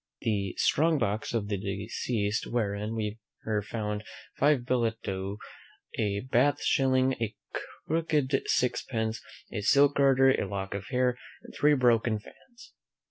The strong box of the deceased, wherein were found five billet doux, a Bath shilling, a crooked sixpence, a silk garter, a lock of hair, and three broken fans.